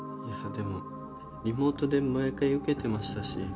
でもリモートで毎回受けてましたし。